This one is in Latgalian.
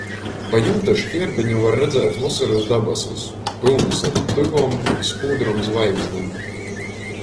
Pa jumta škierbeņu var redzēt vosorys dabasus, pylnus ar tyvom i spūdrom zvaigznem.